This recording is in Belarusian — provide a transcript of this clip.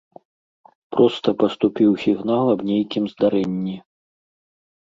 Проста паступіў сігнал аб нейкім здарэнні.